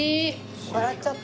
笑っちゃった。